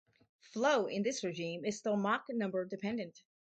Flow in this regime is still Mach number dependent.